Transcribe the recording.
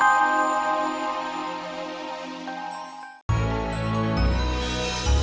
rasanya udah gak enak nih